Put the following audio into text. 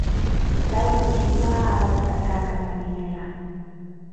แล้วคุณคิดว่าเราจะจัดการกับมันยังไงล่ะ